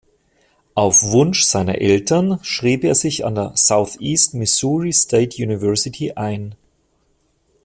Auf Wunsch seiner Eltern schrieb er sich an der Southeast Missouri State University ein.